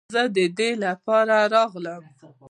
زه د دې لپاره راغلم.